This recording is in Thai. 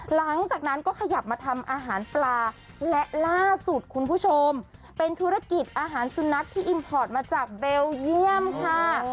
หลังจากนั้นก็ขยับมาทำอาหารปลาและล่าสุดคุณผู้ชมเป็นธุรกิจอาหารสุนัขที่อิมพอร์ตมาจากเบลเยี่ยมค่ะ